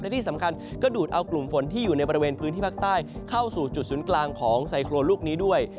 และที่สำคัญก็ดูดเอากลุ่มฝนที่อยู่ในบริเวณพื้นที่ภาคใต้เข้าสู่จุดศูนย์กลางของไซโครนลูกนี้ด้วย